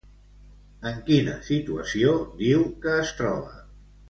En quina situació diu que es troba?